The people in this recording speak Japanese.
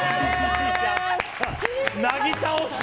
なぎ倒した！